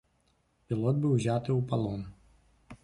Пілот быў узяты ў палон.